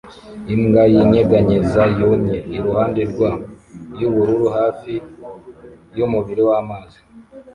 Imbwa yinyeganyeza yumye iruhande rwa yubururu hafi yumubiri wamazi